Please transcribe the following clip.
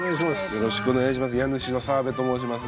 よろしくお願いします